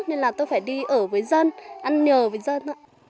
nên là tôi phải đi ở với dân ăn nhiều ở với dân